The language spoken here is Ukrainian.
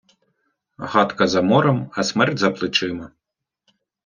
Гадка за морем, а смерть за плечима.